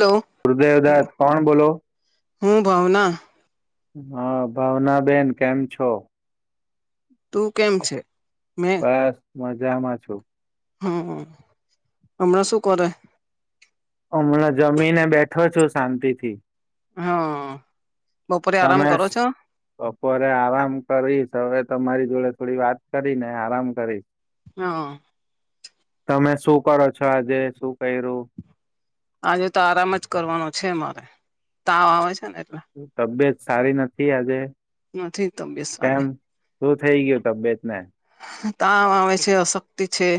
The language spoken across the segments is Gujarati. હેલો ગુરુદેવ દત્ત કોણ બોલો. હમ ભાવના હા ભાવનાબેન કેમ છો. તું કેમ છે. મેં બસ મજામાં છું. હમ હમણાં શું કરે. હમણા જમી ને બેઠો છો શાંતિ થી. હા. બપોરે આરામ તમે કરો છો બપોરે આરામ કરીશ હવે તમારી જોડે થોડી વાત કરી ને આરામ કરીશ. હા તમે શું કરો છો આજે શું કર્યું. આજે તો આરામ જ કરવાનો છે મારે તાવ આવે છે ને એટલે તબિયત સારી નથી આજે. નથી તબિયત કેમ સારી શું થઈ ગયું તબિયતને. તાવ આવે છે અશક્તિ છે.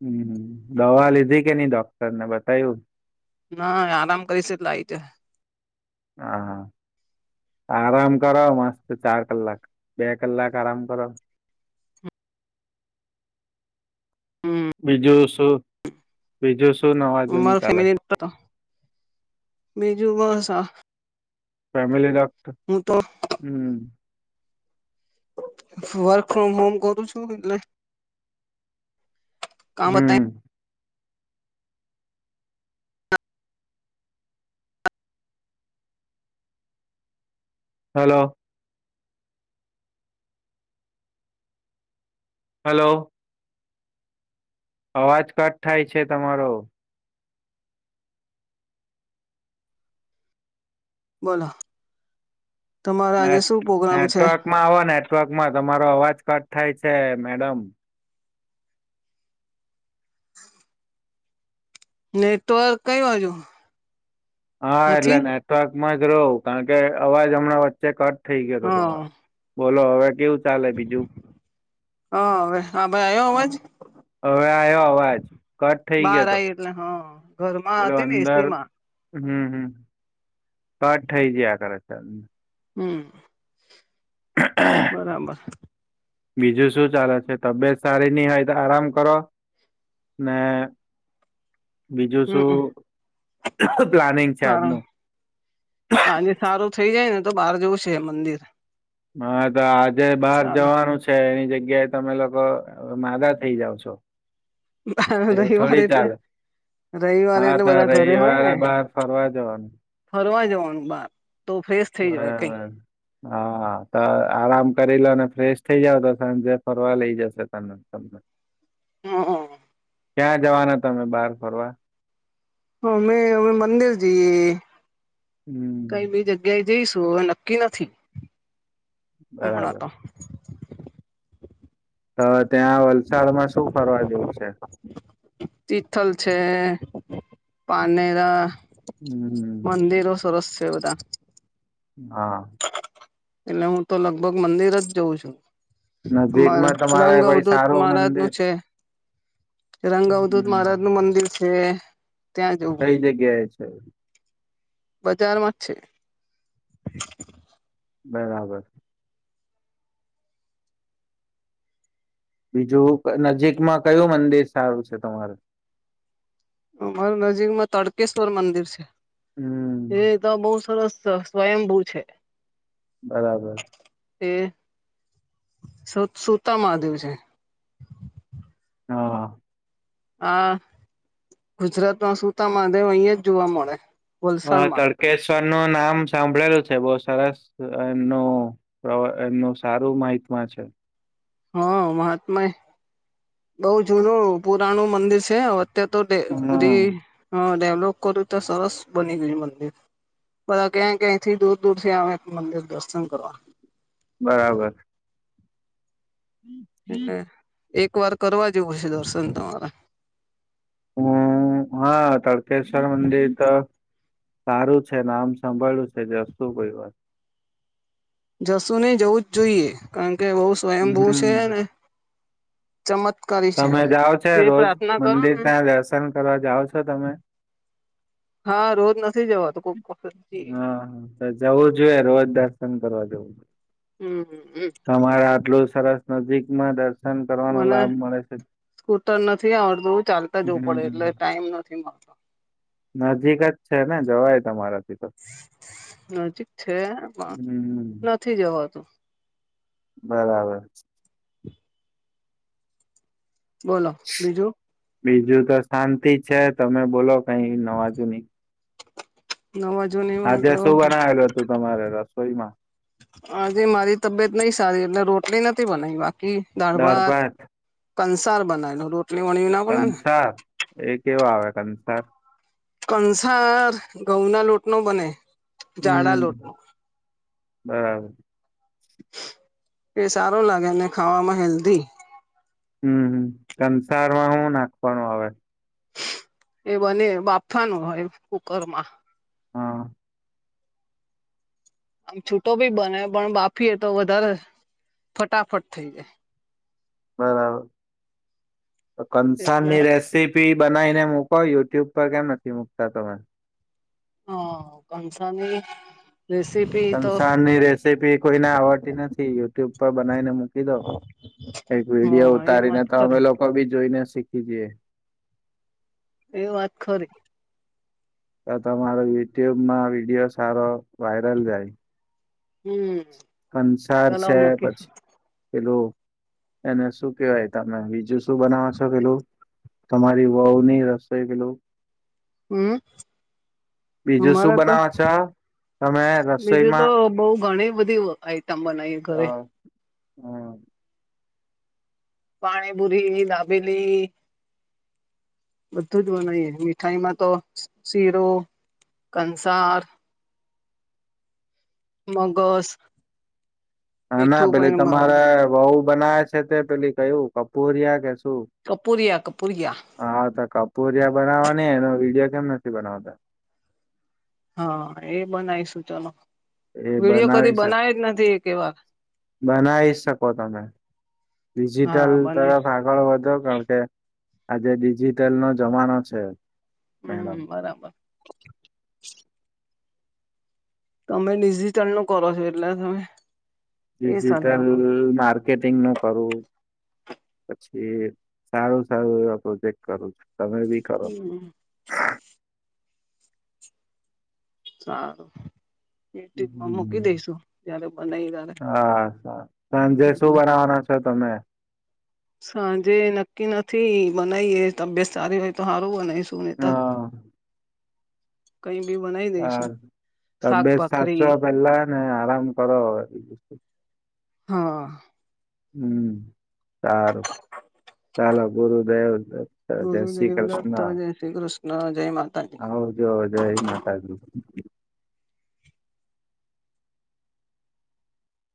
હમ દવા લીધી કે નઈ ડોક્ટર ને બતાયું. ના આરામ કરીશ એટલે [unintelligible] હા હા આરામ કરો, મસ્ત ચાર કલાક, બે કલાક આરામ કરો. હ છે બીજું શું, બીજું શું નવાજુની અમારા ચાલે? ફેમિલી બીજું બસ આ ફેમિલી ડોક્ટર હું તો હમ્મ વર્ક ફ્રોમ હોમ કરું છું, એટલે કામ બતા હમ્મ. Hello hello. અવાજ કટ થાય છે, તમારો. બોલો તમારે ને આજે શું પ્રોગ્રામ છે નેટવર્કમાં આવો, નેટવર્કમાં તમારો અવાજ કટ થાય છે, મેડમ. નેટવર્ક કઈ બાજુ હા, એટલે નથી નેટવર્કમાં જ રહો કારણ કે અવાજ હમણાં વચ્ચે કટ થઈ ગયો હતો હા તમારો, બોલો હવે કેવું ચાલે બીજું? હા, હવે હા ભાઈ આવ્યો અવાજ? હવે આવ્યો અવાજ, કટ થઈ ગયો બહાર હતો, આઈ એટલે હા ઘરમાં પેલો હતી ને અંદર એસી માં હમ્મ, હમ્મ કટ થઇ જિયા કરે કિયારનું હમ્મ. હા બરાબર. બીજું શું ચાલે છે, તબિયત સારી ની હોય તો આરામ કરો? ને બીજું શું હમમ પ્લાનિંગ છે, સારું આજનું? થઈ જાય ને તો બહાર જવું છે, એ મંદિર હા, તો આજે બહાર સારું જવાનું છે, એની જગ્યા ત્યારે તમે લોકો માંદા થઈ જાવ છો એવું રવિવાર થોડી એટલે ચાલે રવિવારે હા એટલે તો બધા ઘરે હોય રવિવારે ને, બહાર ફરવા જવાનું ફરવા જવાનું બાર. તો ફ્રેશ થઈ જવાય કઈ બરાબર. હા, તો આરામ કરી લોને ફ્રેશ થઇ જાવ, તો સાંજે ફરવા લઇ જશે તમે તમને. હા, હા. ક્યાં જવાના તમે બહાર ફરવા? અમે અમે મંદિર જઈએ, હમ કઈ બી જગ્યા જઈશ શું, તો નક્કી નથી હમણાં બરાબર તો તો ત્યાં વલસાડમાં શું ફરવા જેવું છે? પાનેરા હમ મંદિરો સરસ છે, બધા. હા. એટલે હું તો લગભગ મંદિર જ જઉં છું. નજીકમાં તમારે રંગ કોઈ અવધૂત સારું મહારાજ મંદિર નું છે. રંગઅવધૂત હમ મહારાજ નું મંદિર છે. ત્યાં જવું કઈ જગ્યાએ છે? બજારમાંજ છે. બરાબર. બીજું નજીકમાં કયું મંદિર સારું છે, તમારે? અમારા નજીકમાં તડકેશ્વર મંદિર છે, હમ એતો બો સરસ સ્વયં બૂ છે. બરાબર. એ [unintelligible] સૂતા મહાદેવ છે. હા હ. હા, ગુજરાતમાં સુતામાં દેવ અહિયાં જ જોવા મળે. હ વલસાડમાં તડકે શ એનું નામ સાંભળેલું છે બહ સરસ એ એમનું સારું માહિત છે. હા મહાત્માય બહ જૂનું પુરાણું મંદિર છે. તો ર હમ ડેવલોપ કર્યું ત્યા સરસ બની ગયું મને. બા ક્યા કય થી દૂર દૂર થી આવે મંદિર દર્શન કરવા. બરાબર. એટલે એક વાર કરવા જેવું હ છે દર્શન તમારા. હમ હા તળકેશ્વર મંદિર તો સારું છે નામ સંભળ્યું છે જશું કોઈ વાર. જશું નહી જવું જ જોઈએ, કારણ કે બહુ સ્વયં બૂ હમ છે ને. ચમત્કારી છે તમે જાઓ છો જે રોજ પ્રાર્થના કરો મંદિર ને ત્યાં દર્શન કરવા જાઓ છો તમે. હા રોજ ના. હા હા તો જવું જોઈએ રોજ દર્શન કરવા જવું. હમ હમ હમ. તમારા આટલું સરસ નજીક માં દર્શ મને સ્કૂટર નથી આવડતું ચાલતા જવું પડે એટલે હમ ટાઈમ નથી મળતો. નજીક જ છે ને જવાય તમારે. નજીક છે હમ પણ નથી જવાતું. બરાબર. બોલો બીજું. બીજું તો શાંતિ છે તમે બોલો કઈ નવા જુંની. નવાજો ની માતો શું બનાવેલું હતું તમારે રસોઈમાં આજે મારી તબિયત નહ સારી એટલે રોટલી નથી બનાવી બાકી દાળ ભાત. કંસાર બનાવ્યો. કંસાર એ કેવા આવે કંસાર. કંસાર ઘઉં ના લોટ નો બને. જાડા હમ લોટનું. બરાબર એ સારો લાગે અને ખાવામાં હેલ્ધી. હમ કસારમાં શું નાખવાનું આવે? એ બને બાફાનું હોય કુકરમાં. હા આમ છૂટો ભી બને પણ બાફીએ તો વધારે ફટાફટ થઈ જાય. બરાબર, એટલે કંસારની રેસીપી બનાવીને ક યુટ્યુબ પર કેમ નથી મુકતા તમે? હા કંસારની કંસાર ની રેસીપી કોઈને આવડતી નથી યુટ્યુબ પર બનાવી ને મક મકી દો, એક વિડીયો એ ઉતારીને વાત તો અમે ખરી લોકો બી જોઈને શીખી જઈએ. એ વાત ખરી તો તમારો યુટ્યુબમાં વિડીયો સારો વાયરલ જાય. હમ. કંસાર ચલાવ છે મૂકીશું પછી પેલું એને શું કેવાય તમે બીજું શું બનાવો છો પેલું. તમારી વહ ની રસોઈ પેલુ હમ. બીજું શું અમારે તો બનાવ છો? તમે બીજું તો રસોઈમાં બહ ઘણી બધી આઈટમ બનાવી ઘરે. હમ. પાણીપુરી દાબેલી. બધું જ બનાયએ મીઠાઈમાં તો શીરું કંસાર મગસ હ ના મીઠું પેલી કોઈને ભાવે તમારે વહુ બનાવે છે તે પેલી કયું કપૂરિયા કે શું કપૂરિયા કપૂરિયા કોરિયા બનાવાની એનો વિડીિયો કેમ નથી બનાવતા? હા, એ બનાવીશું ચલો એ વિડીિયો કદી બનાવી શક બનાવે જ નથી એવા બનાવી શકો તમે. ડિજિટલ હા તરફ બનાવીશું આગળ વધો કારણકે આજે ડિજિટલ નો જમાનો છે. મેડમ હમ્મ બરાબર તમે ડિજિટલ નું કરો છો, એટલે તમે એ સલાહ ડિજિટલ આપો માર્કેટિંગ નું કરવું, પછી સારું સારું એવા પ્રોજેક્ટ કરું છું. તમે બી ખરો હમ સારું યુટ્યુબમાં મૂકી દઈશું જયારે બનાવી ત્યારે અછા સંજય શું એટલે બનાવવાનો છે, તમે સાંજે નક્કી નથી બનાવી એ તબિયત સારી હોય તો સારું બનાવી હા કઈ બી બનાવી હા દઈશું ત શાક બે સાચો ભાખરી પેલા નાને આરામ કરો, એ વસ્તુ હા હમ્મ સારું ચાલો ગુરુદેવ જય શ્રી ગુરુદેવ કૃષ્ણ, દત્ત જય શ્રી કૃષ્ણ જય માતાજી આવ જો જય માતા ગુર